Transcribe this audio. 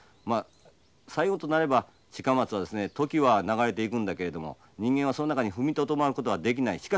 まあ最後となれば近松はですね時は流れていくんだけれども人間はその中に踏みとどまることはできない。